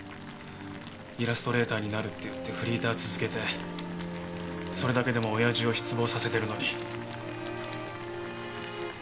イラストレーターになるっていってフリーター続けてそれだけでも親父を失望させてるのに。